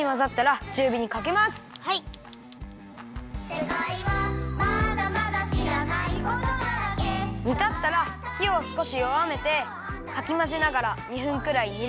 「せかいはまだまだしらないことだらけ」にたったらひをすこしよわめてかきまぜながら２分くらいにるよ。